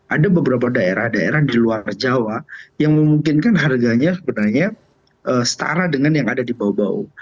ada beberapa daerah daerah di luar jawa yang memungkinkan harganya sebenarnya setara dengan yang ada di bau bau